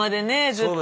ずっと。